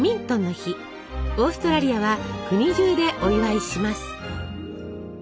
オーストラリアは国中でお祝いします。